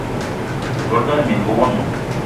Bolo ngana minenga womo